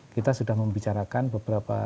kita sudah membicarakan beberapa